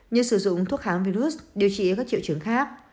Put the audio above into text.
như sử dụng thuốc kháng virus điều trị ở các triệu chứng khác